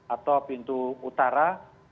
atau pintu utara